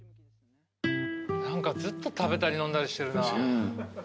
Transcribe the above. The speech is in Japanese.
何かずっと食べたり飲んだりしてるな。